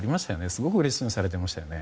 すごくうれしそうにされてましたよね。